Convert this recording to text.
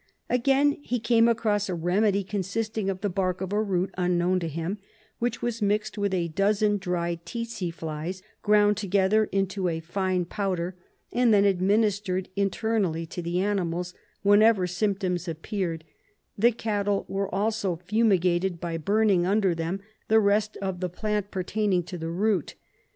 Again, he came across a remedy consisting of the bark of a root unknown to him, which was mixed with a dozen dried tsetse flies, ground together into a fine powder, and then administered inter nally to the animals whenever symptoms appeared ; the cattle were also fumigated by burning under them the rest of the plant pertaining to the root.